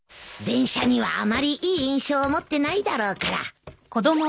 電車にはあまりいい印象を持ってないだろうから